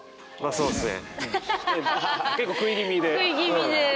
そうですね。